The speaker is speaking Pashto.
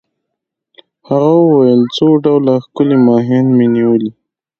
هغه وویل: څو ډوله ښکلي ماهیان مي نیولي.